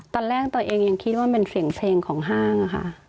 ตอนแรกตัวเองยังคิดว่าเป็นเสียงเพลงของห้างค่ะ